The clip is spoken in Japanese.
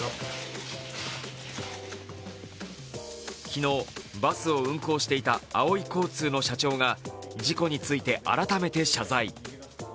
昨日、バスを運行していたあおい交通の社長が事故について改めて謝罪。